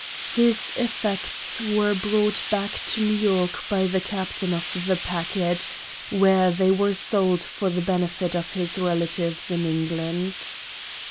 14 PREFACE. His effects were brought back to New York by the captain of the packet, where they were sold for the benefit of his relatives in England.